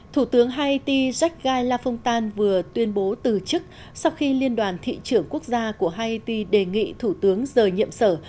thủ tướng haiti jacques guy lafontaine vừa tuyên bố từ chức sau khi liên đoàn thị trưởng quốc gia của haiti đề nghị thủ tướng rời nhiệm sở